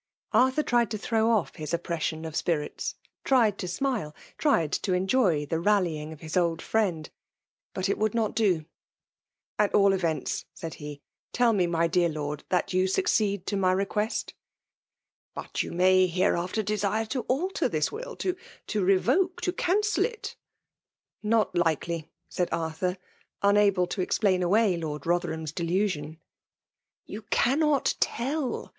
Arthur tried to tkrow off bis oppression of iB|Mrits; tried to smile; tried to enjoy tbe ral lying of his old friend ; but it would not do. ''At all events^" said be, '' tell me, ay dear Lovd, tbat you accede to my request 1" MUCAUS OOillKATIOir. Ill '' Bui you may heveafiter desaie to ftlter tliia will— to revoke — ^to cancel it !"" Not l&ely," said Arttiur, unable to ei|>laia away Lor4 Botherham's delusion. '* You cannot tell.